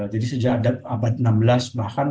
jadi sejak abad enam belas bahkan